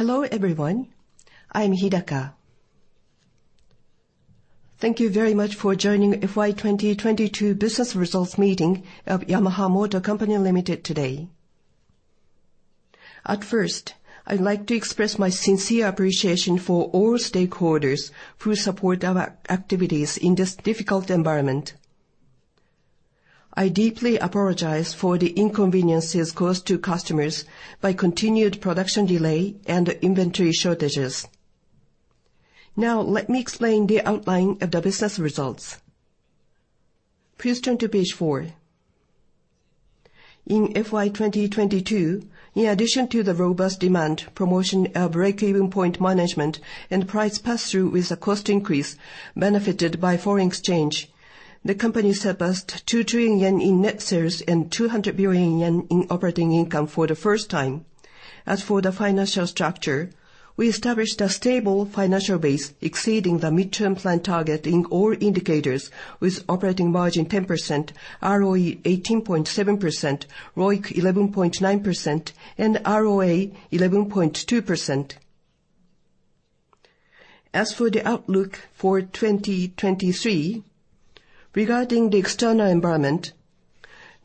Hello, everyone. I am Hidaka. Thank you very much for joining FY 2022 business results meeting of Yamaha Motor Company Limited today. I'd like to express my sincere appreciation for all stakeholders who support our activities in this difficult environment. I deeply apologize for the inconveniences caused to customers by continued production delay and inventory shortages. Let me explain the outline of the business results. Please turn to page four. In FY 2022, in addition to the robust demand, promotion of breakeven point management, and price pass-through with the cost increase benefited by foreign exchange. The company surpassed 2 trillion yen in net sales and 200 billion yen in operating income for the first time. As for the financial structure, we established a stable financial base exceeding the Medium-Term Management Plan target in all indicators, with operating margin 10%, ROE 18.7%, ROIC 11.9%, and ROA 11.2%. As for the outlook for 2023, regarding the external environment,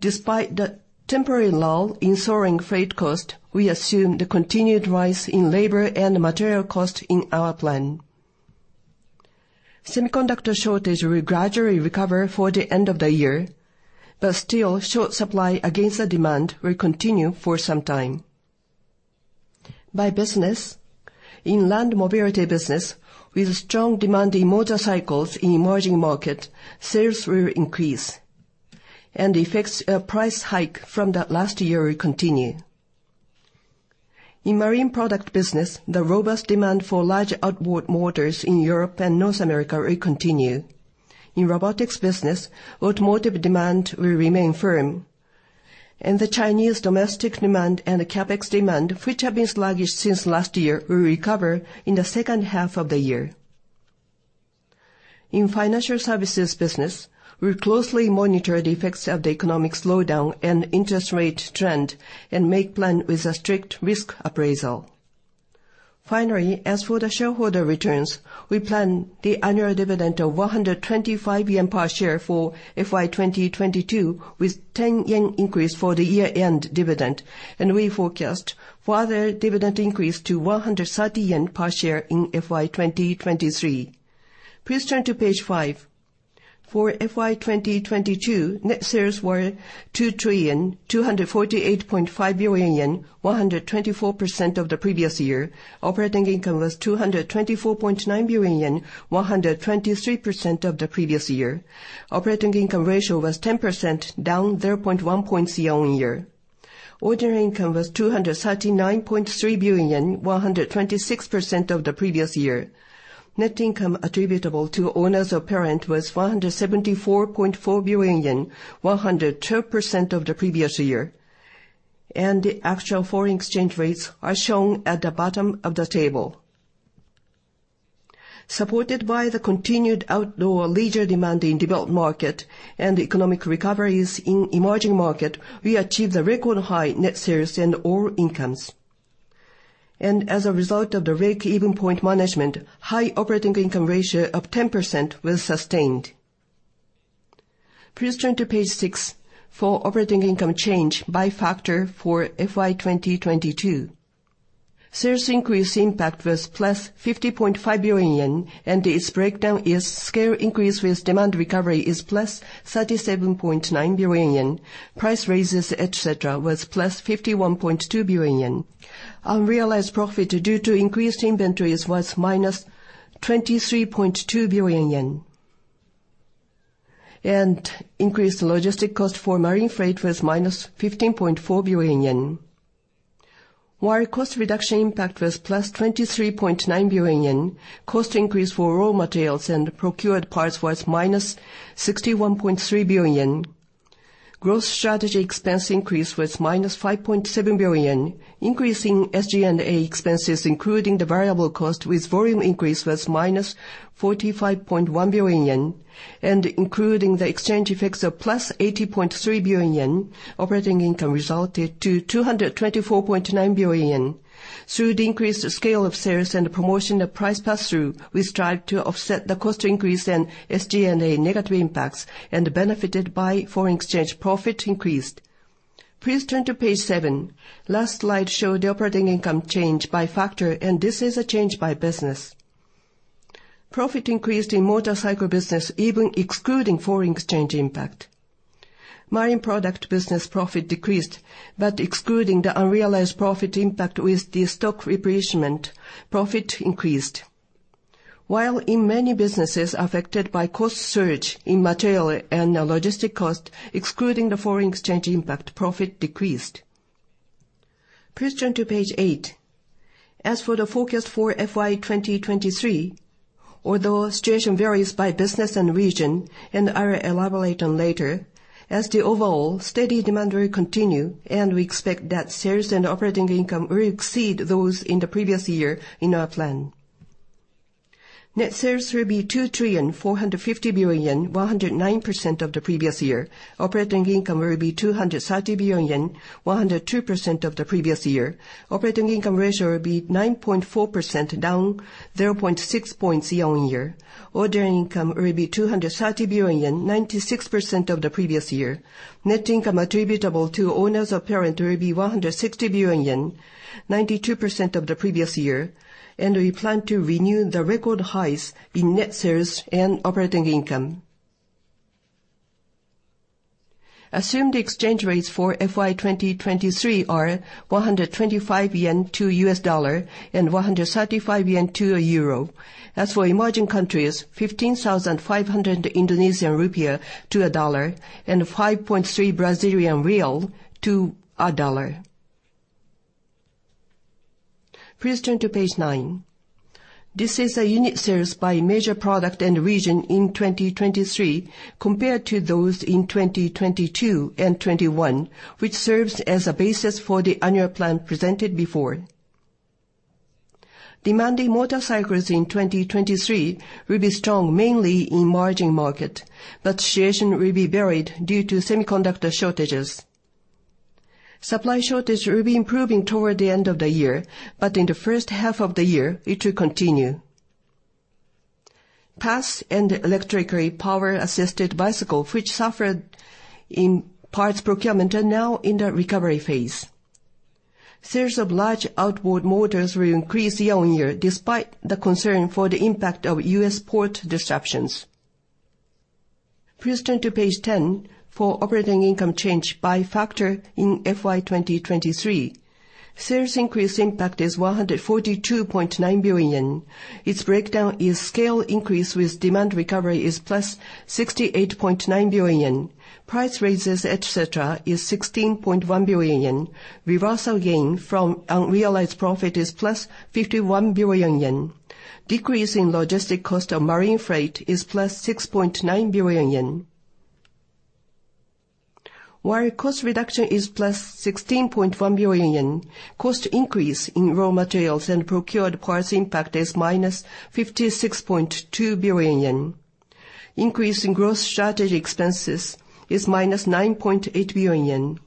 despite the temporary lull in soaring freight cost, we assume the continued rise in labor and material cost in our plan. Semiconductor shortage will gradually recover for the end of the year, but still, short supply against the demand will continue for some time. By business, in Land Mobility Business, with strong demand in motorcycles in emerging market, sales will increase and the effects of price hike from the last year will continue. In Marine Products Business, the robust demand for large outboard motors in Europe and North America will continue. In Robotics Business, automotive demand will remain firm. The Chinese domestic demand and the CapEx demand, which have been sluggish since last year, will recover in the second half of the year. In Financial Services Business, we'll closely monitor the effects of the economic slowdown and interest rate trend and make plan with a strict risk appraisal. Finally, as for the shareholder returns, we plan the annual dividend of 125 yen per share for FY 2022, with 10 yen increase for the year-end dividend, and we forecast further dividend increase to 130 yen per share in FY 2023. Please turn to page five. For FY 2022, net sales were 2,248.5 billion yen, 124% of the previous year. Operating income was 224.9 billion yen, 123% of the previous year. Operating income ratio was 10%, down 3.1 points year-on-year. Ordinary income was 239.3 billion yen, 126% of the previous year. Net income attributable to owners of parent was 474.4 billion yen, 102% of the previous year. The actual foreign exchange rates are shown at the bottom of the table. Supported by the continued outdoor leisure demand in developed market and the economic recoveries in emerging market, we achieved the record-high net sales in all incomes. As a result of the breakeven point management, high operating income ratio of 10% was sustained. Please turn to page six for operating income change by factor for FY 2022. Sales increase impact was +50.5 billion yen, and its breakdown is scale increase with demand recovery is +37.9 billion yen. Price raises, et cetera, was +51.2 billion yen. Unrealized profit due to increased inventories was -23.2 billion yen. Increased logistic cost for marine freight was -15.4 billion yen. While cost reduction impact was +23.9 billion yen, cost increase for raw materials and procured parts was -61.3 billion yen. Growth strategy expense increase was -5.7 billion yen. Increasing SG&A expenses, including the variable cost with volume increase, was -45.1 billion yen. Including the exchange effects of +80.3 billion yen, operating income resulted to 224.9 billion yen. Through the increased scale of sales and the promotion of price pass-through, we strive to offset the cost increase in SG&A negative impacts and benefited by foreign exchange profit increased. Please turn to page seven. Last slide showed the operating income change by factor. This is a change by business. Profit increased in motorcycle business, even excluding foreign exchange impact. Marine Products Business profit decreased, but excluding the unrealized profit impact with the stock replenishment, profit increased. While in many businesses affected by cost surge in material and the logistic cost, excluding the foreign exchange impact, profit decreased. Please turn to page eight. As for the forecast for FY 2023, although situation varies by business and region and I will elaborate on later, as to overall, steady demand will continue, and we expect that sales and Operating income will exceed those in the previous year in our plan. Net sales will be 2,450 billion, 109% of the previous year. Operating income will be 230 billion, 102% of the previous year. Operating income ratio will be 9.4%, down 0.6 points year-on-year. Ordering income will be 230 billion, 96% of the previous year. Net income attributable to owners of parent will be 160 billion yen, 92% of the previous year. We plan to renew the record highs in Net sales and Operating income. Assumed exchange rates for FY 2023 are 125 yen to $1 and JPY 135 to a EUR. For emerging countries, 15,500 rupiah to $1, and BRL 5.3 to $1. Please turn to page nine. This is the unit sales by major product and region in 2023 compared to those in 2022 and 2021, which serves as a basis for the annual plan presented before. Demanding motorcycles in 2023 will be strong mainly in emerging market, but situation will be varied due to semiconductor shortages. Supply shortage will be improving toward the end of the year. In the first half of the year, it will continue. PAS and electrically power-assisted bicycle, which suffered in parts procurement, are now in the recovery phase. Sales of large outboard motors will increase year-on-year, despite the concern for the impact of U.S. port disruptions. Please turn to page 10 for operating income change by factor in FY 2023. Sales increase impact is 142.9 billion. Its breakdown is scale increase with demand recovery is +68.9 billion. Price raises, et cetera, is 16.1 billion. Reversal gain from unrealized profit is +51 billion yen. Decrease in logistic cost of marine freight is +6.9 billion yen. While cost reduction is +16.1 billion yen, cost increase in raw materials and procured parts impact is -56.2 billion yen. Increase in growth strategy expenses is -9.8 billion yen.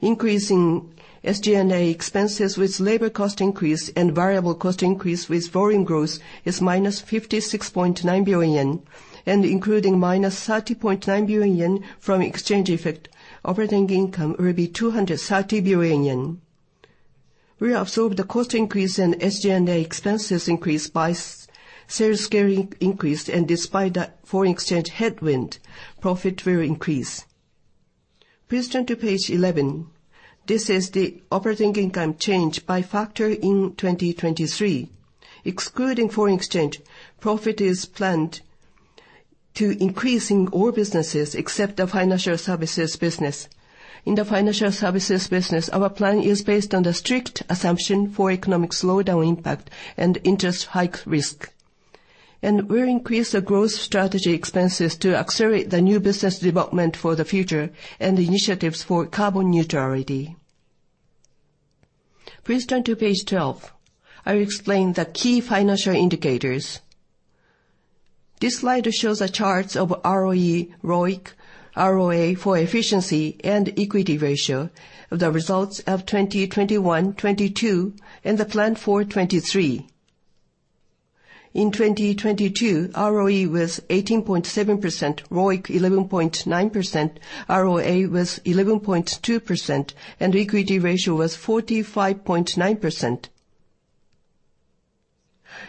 Increase in SG&A expenses with labor cost increase and variable cost increase with foreign growth is -56.9 billion yen. Including -30.9 billion yen from exchange effect, operating income will be 230 billion yen. We absorb the cost increase in SG&A expenses increase by sales scaling increase, and despite the foreign exchange headwind, profit will increase. Please turn to page 11. This is the operating income change by factor in 2023. Excluding foreign exchange, profit is planned to increase in all businesses except the Financial Services Business. In the Financial Services Business, our plan is based on the strict assumption for economic slowdown impact and interest hike risk. We'll increase the growth strategy expenses to accelerate the new business development for the future and the initiatives for carbon neutrality. Please turn to page 12. I will explain the key financial indicators. This slide shows the charts of ROE, ROIC, ROA for efficiency and equity ratio of the results of 2021, 2022, and the plan for 2023. In 2022, ROE was 18.7%, ROIC 11.9%, ROA was 11.2%, and equity ratio was 45.9%.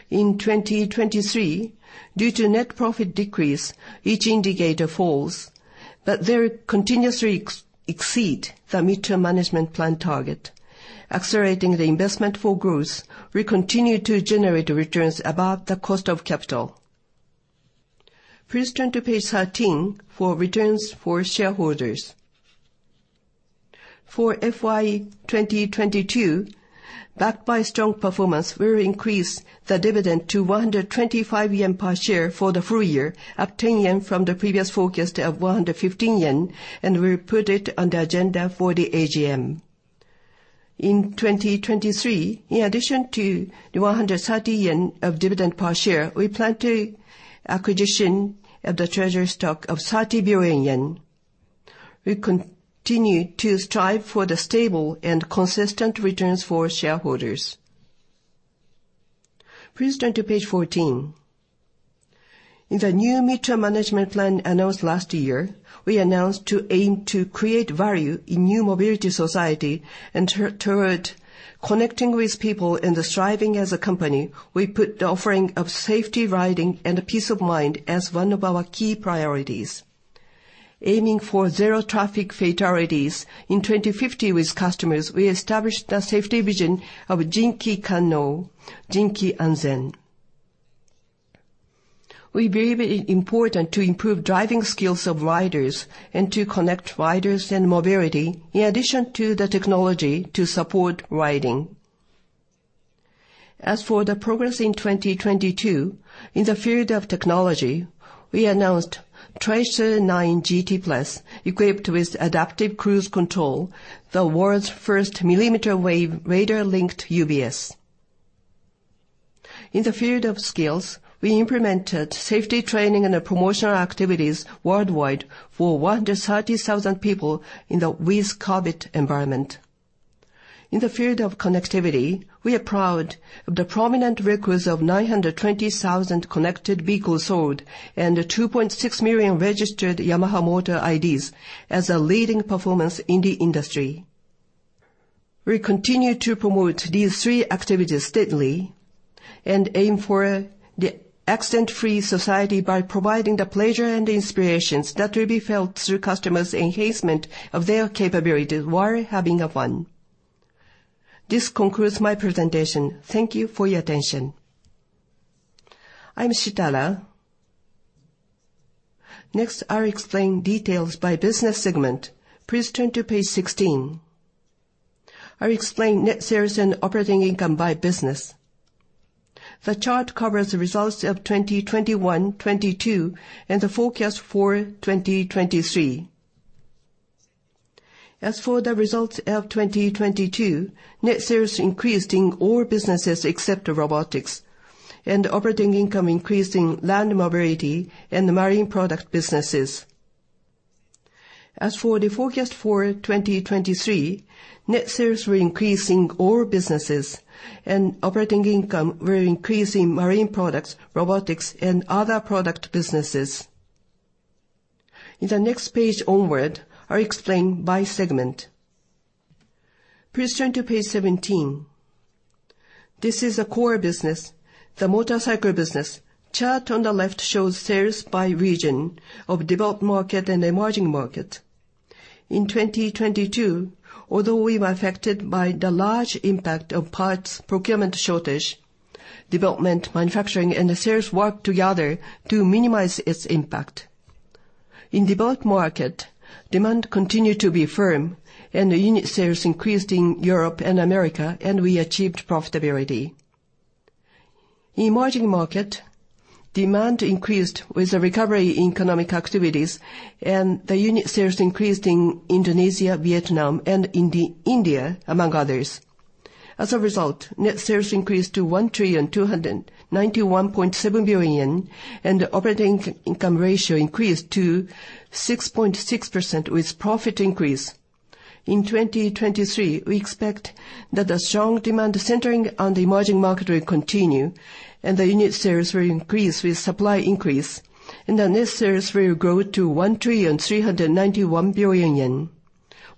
In 2023, due to net profit decrease, each indicator falls, but they continuously exceed the Medium-Term Management Plan target. Accelerating the investment for growth, we continue to generate returns above the cost of capital. Please turn to page 13 for returns for shareholders. For FY2022, backed by strong performance, we will increase the dividend to 125 yen per share for the full year, up 10 yen from the previous forecast of 115 yen, and we'll put it on the agenda for the AGM. In 2023, in addition to the 130 yen of dividend per share, we plan to acquisition of the treasury stock of 30 billion yen. We continue to strive for the stable and consistent returns for shareholders. Please turn to page 14. In the new Medium-Term Management Plan announced last year, we announced to aim to create value in new mobility society and toward connecting with people and thriving as a company. We put the offering of safety riding and peace of mind as one of our key priorities. Aiming for zero traffic fatalities in 2050 with customers, we established the safety vision of Jin-Ki Kanno × Jin-Ki Anzen. We believe it important to improve driving skills of riders and to connect riders and mobility in addition to the technology to support riding. As for the progress in 2022, in the field of technology, we announced Tracer 9 GT+ equipped with Adaptive Cruise Control, the world's first millimeter wave radar-linked UBS. In the field of skills, we implemented safety training and promotional activities worldwide for 130,000 people in the with COVID environment. In the field of connectivity, we are proud of the prominent records of 920,000 connected vehicles sold and 2.6 million registered Yamaha Motor IDs as a leading performance in the industry. We continue to promote these three activities steadily and aim for the accident-free society by providing the pleasure and inspirations that will be felt through customers' enhancement of their capabilities while having fun. This concludes my presentation. Thank you for your attention. I'm Shitara. I'll explain details by business segment. Please turn to page 16. I'll explain net sales and operating income by business. The chart covers the results of 2021, 2022, and the forecast for 2023. As for the results of 2022, net sales increased in all businesses except Robotics Business, and operating income increased in Land Mobility Business and the Marine Products Business. As for the forecast for 2023, net sales were increased in all businesses, and operating income will increase in Marine Products Business, Robotics Business, and other product businesses. In the next page onward, I'll explain by segment. Please turn to page 17. This is a core business, the motorcycle business. Chart on the left shows sales by region of developed market and emerging market. In 2022, although we were affected by the large impact of parts procurement shortage, development, manufacturing, and sales work together to minimize its impact. In developed market, demand continued to be firm, and the unit sales increased in Europe and America, and we achieved profitability. Emerging market demand increased with the recovery in economic activities, and the unit sales increased in Indonesia, Vietnam, and in the India, among others. As a result, net sales increased to 1,291.7 billion yen, and operating income ratio increased to 6.6% with profit increase. In 2023, we expect that the strong demand centering on the emerging market will continue, and the unit sales will increase with supply increase. The net sales will grow to 1,391 billion yen,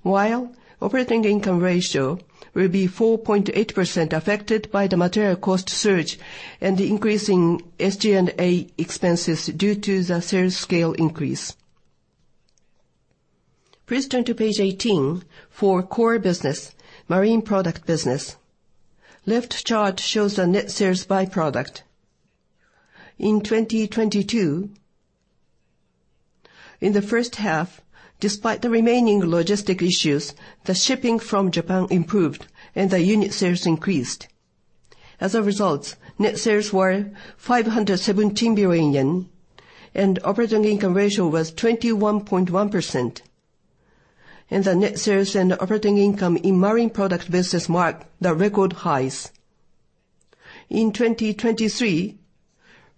while operating income ratio will be 4.8% affected by the material cost surge and the increase in SG&A expenses due to the sales scale increase. Please turn to page 18 for core business, Marine Products Business. Left chart shows the net sales by product. In 2022, in the first half, despite the remaining logistic issues, the shipping from Japan improved, and the unit sales increased. As a result, net sales were 517 billion yen, and operating income ratio was 21.1%. The net sales and operating income in Marine Products Business marked the record highs. In 2023,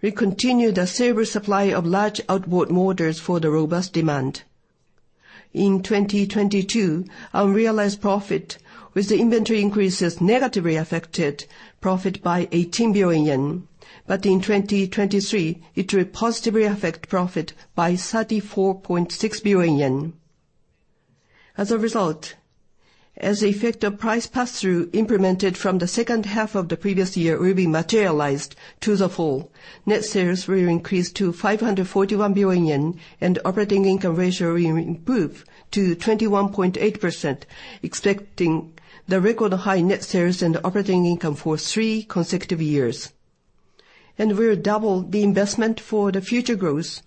we continued the stable supply of large outboard motors for the robust demand. In 2022, unrealized profit with the inventory increases negatively affected profit by 18 billion yen. In 2023, it will positively affect profit by 34.6 billion yen. As a result, as the effect of price pass-through implemented from the second half of the previous year will be materialized to the full, net sales will increase to 541 billion yen, and operating income ratio will improve to 21.8%, expecting the record high net sales and operating income for three consecutive years. We'll double the investment for the future growth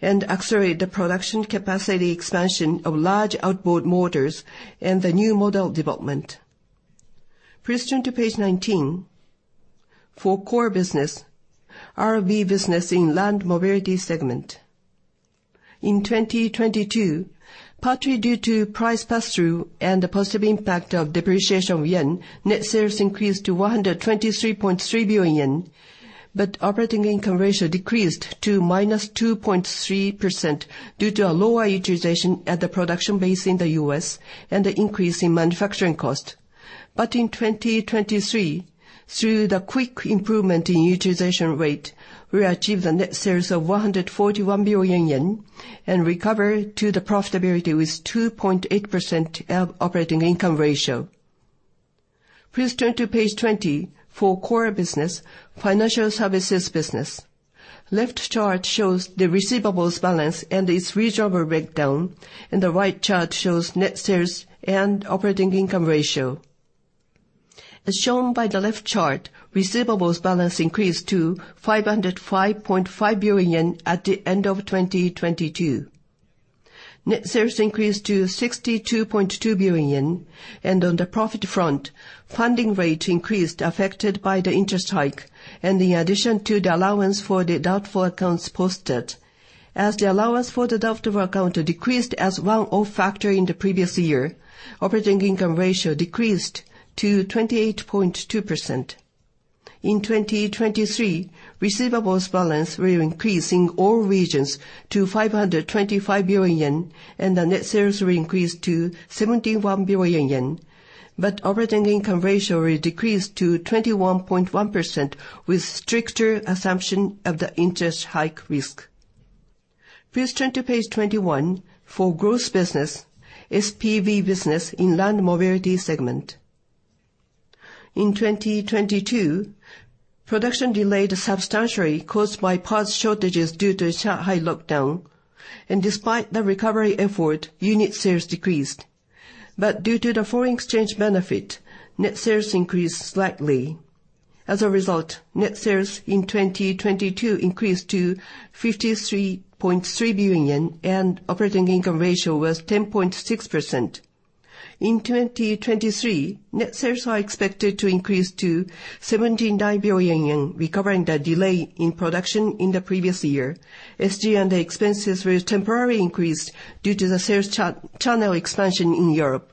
and accelerate the production capacity expansion of large outboard motors and the new model development. Please turn to page 19. For core business, RV Business in Land Mobility Business. In 2022, partly due to price pass-through and the positive impact of depreciation of yen, net sales increased to 123.3 billion yen, operating income ratio decreased to -2.3% due to a lower utilization at the production base in the U.S. and the increase in manufacturing cost. In 2023, through the quick improvement in utilization rate, we achieved the net sales of 141 billion yen and recover to the profitability with 2.8% of operating income ratio. Please turn to page 20 for core business, Financial Services Business. Left chart shows the receivables balance and its regional breakdown, and the right chart shows net sales and operating income ratio. As shown by the left chart, receivables balance increased to 505.5 billion yen at the end of 2022. Net sales increased to 62.2 billion yen, and on the profit front, funding rate increased, affected by the interest hike. In addition to the allowance for doubtful accounts posted, as the allowance for doubtful accounts decreased as one-off factor in the previous year, operating income ratio decreased to 28.2%. In 2023, receivables balance will increase in all regions to 525 billion yen, and the net sales will increase to 71 billion yen. Operating income ratio will decrease to 21.1% with stricter assumption of the interest hike risk. Please turn to page 21 for growth business, SPV business in Land Mobility Business. In 2022, production delayed substantially caused by parts shortages due to Shanghai lockdown, and despite the recovery effort, unit sales decreased. Due to the foreign exchange benefit, net sales increased slightly. As a result, net sales in FY 2022 increased to 53.3 billion yen, and operating income ratio was 10.6%. In FY 2023, net sales are expected to increase to 79 billion yen, recovering the delay in production in the previous year. SG&A expenses were temporarily increased due to the sales channel expansion in Europe.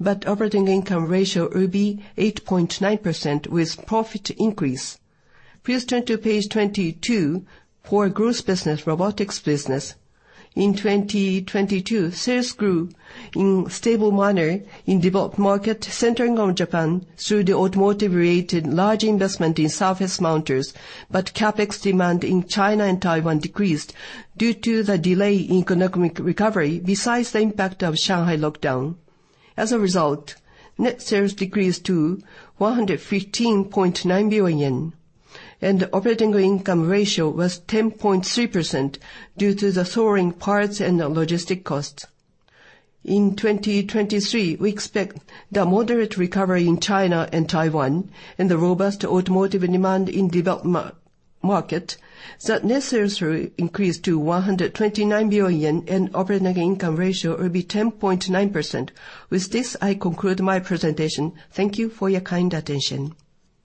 Operating income ratio will be 8.9% with profit increase. Please turn to page 22 for growth business, Robotics Business. In FY 2022, sales grew in stable manner in developed market centering on Japan through the automotive-related large investment in surface mounters. CapEx demand in China and Taiwan decreased due to the delay in economic recovery besides the impact of Shanghai lockdown. As a result, net sales decreased to 115.9 billion yen, and operating income ratio was 10.3% due to the soaring parts and the logistics costs. In 2023, we expect the moderate recovery in China and Taiwan and the robust automotive demand in developed market, that net sales will increase to 129 billion, and operating income ratio will be 10.9%. With this, I conclude my presentation. Thank you for your kind attention.